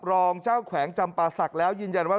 รองเจ้าแขวงจำปาศักดิ์แล้วยืนยันว่า